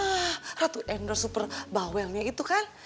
wah ratu endor super bawelnya itu kan